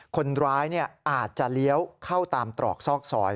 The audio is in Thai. คนร้ายอาจจะเลี้ยวเข้าตามตรอกซอกซอย